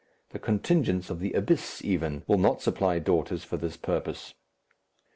The contingents of the Abyss, even, will not supply daughters for this purpose.